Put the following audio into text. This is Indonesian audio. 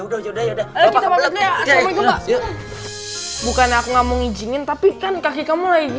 kita soalnya tadi kita kunci ya udah udah ya udah bukan aku ngomong izinin tapi kan kaki kamu lagi